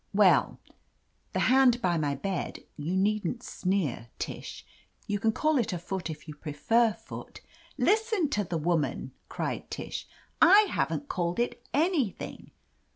"Well, the hand by my bed — you needn't sneer, Tish; you can call it a foot if you prefer foot— '^ "Listen to the woman!" cried Tish. "I haven't called it anything."